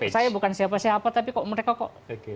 saya bukan siapa siapa tapi kok mereka kok